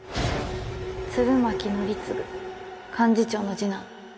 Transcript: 鶴巻紀次幹事長の次男。